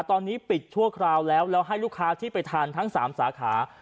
ตอนนี้ปิดชั่วคราวแล้วแล้วให้ลูกค้าที่ไปทานทั้ง๓สาขา